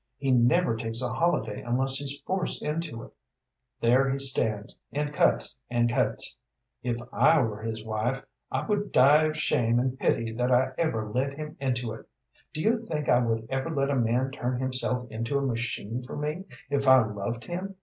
He never takes a holiday unless he's forced into it; there he stands and cuts and cuts. If I were his wife, I would die of shame and pity that I ever led him into it. Do you think I would ever let a man turn himself into a machine for me, if I loved him?